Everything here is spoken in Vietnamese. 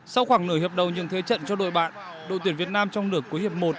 sau khoảng nửa hiệp đầu những thế trận cho đội bạn đội tuyển việt nam trong lửa cuối hiệp một